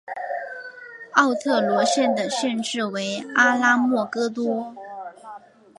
奥特罗县的县治为阿拉莫戈多。